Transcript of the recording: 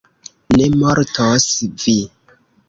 Ne mortos vi.